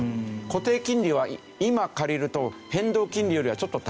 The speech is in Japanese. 固定金利は今借りると変動金利よりはちょっと高いですよね。